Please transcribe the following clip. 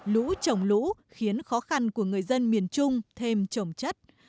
lũ trồng lũ khiến khó khăn của người dân miền trung thêm trồng chất